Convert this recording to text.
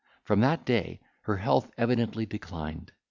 From that day, her health evidently declined.